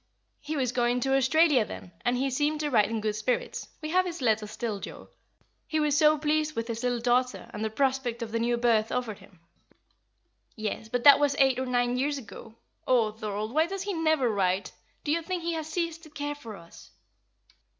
"He was going to Australia then, and he seemed to write in good spirits we have his letter still, Joa. He was so pleased with his little daughter, and the prospect of the new berth offered him!" "Yes, but that was eight or nine years ago. Oh, Thorold, why does he never write? Do you think he has ceased to care for us?"